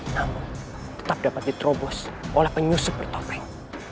namun tetap dapat diterobos oleh penyusup pertopeng